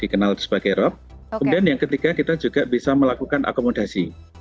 kemudian yang ketiga kita juga bisa melakukan akomodasi